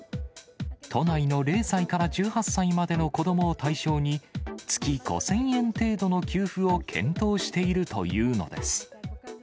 都内の０歳から１８歳までの子どもを対象に、月５０００円程度の給付を検討しているというのです。